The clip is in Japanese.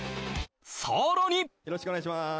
さらによろしくお願いします